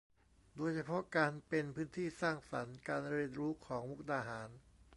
โดยเฉพาะการเป็นพื้นที่สร้างสรรค์การเรียนรู้ของมุกดาหาร